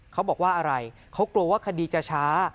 เขาบอกว่าอะไรเขากลัวว่าคดีจะช้า